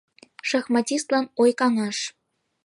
Шахматистлан ой-каҥаш